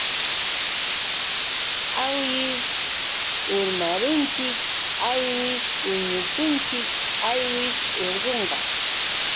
Aywis urmarunchik aywis puñurunchik chayshi urqupa.